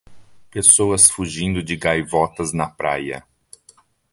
Pessoas fugindo de gaivotas na praia.